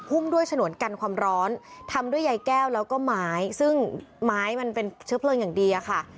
ด้วยฉนวนกันความร้อนทำด้วยยายแก้วแล้วก็ไม้ซึ่งไม้มันเป็นเชื้อเพลิงอย่างดีอะค่ะ